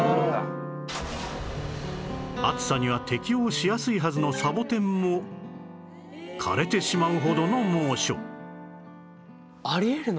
暑さには適応しやすいはずのサボテンも枯れてしまうほどの猛暑あり得るの？